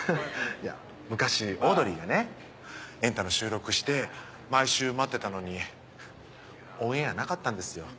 昔オードリーがね『エンタ』の収録して毎週待ってたのにオンエアなかったんですよ。